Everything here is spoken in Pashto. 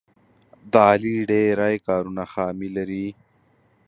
د علي ډېری کارونه خامي لري.